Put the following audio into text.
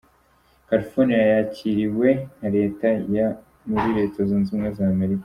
California yakiriwe nka Leta ya muri Leta Zunze Ubumwe za Amerika.